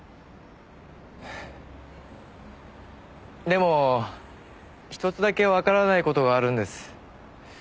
でも１つだけわからない事があるんです。